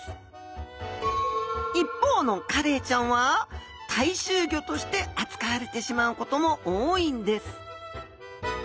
一方のカレイちゃんは大衆魚として扱われてしまうことも多いんです。